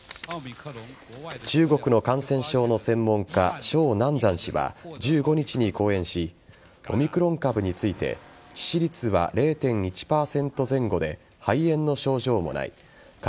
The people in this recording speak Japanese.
中国の感染症の専門家ショウ・ナンザン氏は１５日に講演しオミクロン株について致死率は０．１％前後で肺炎の症状もない。